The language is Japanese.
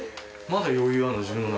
まだ余裕あるの？